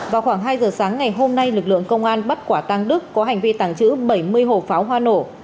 vào khoảng hai giờ sáng ngày hôm nay lực lượng công an bắt quả tàng đức có hành vi tàng trữ bảy mươi hồ pháo hoa nổ